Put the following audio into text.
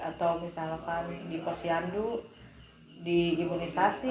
atau misalkan di posyandu diimunisasi